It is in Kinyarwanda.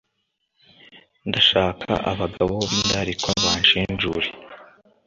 ndashaka abagabo b'indarikwa banshinjura.